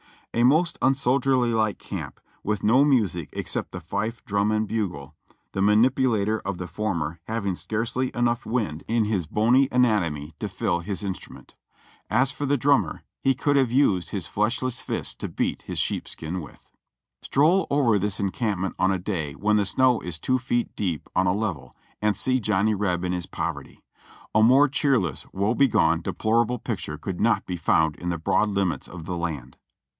A most unsoldier like camp, with no music except the fife, drum, and bugle, the manip ulator of the former having scarcely enough wind in his bony 456 JOHNNY REB AND BILLY YANK anatomy to fill his instrument ; and as for the drummer, he could have used his fleshless fists to beat his sheep skin with. Stroll over this encampment on a clay when the snow is two feet deep on a level, and see Johnny Reb in his poverty. A more cheerless, v^^oe begone, deplorable picture could not be found in the broad limits of the land.